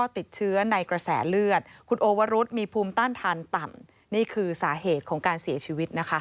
ทานต่ำนี่คือสาเหตุของการเสียชีวิตนะคะ